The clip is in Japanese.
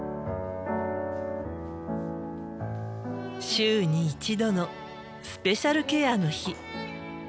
週に１度のスペシャルケアの日。